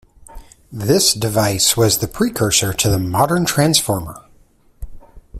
This device was the precursor to the modern transformer.